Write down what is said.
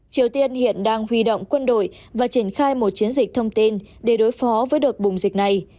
triều tiên hiện đang huy động quân đội và triển khai một chiến dịch thông tin để đối phó với đợt bùng dịch này